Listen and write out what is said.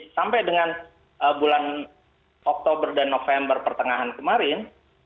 sampai dengan bulan oktober dan november pertengahan kemarin